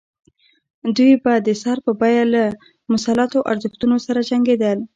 دوی به د سر په بیه له مسلطو ارزښتونو سره جنګېدل.